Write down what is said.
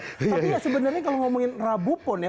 tapi ya sebenarnya kalau ngomongin rabu pon ya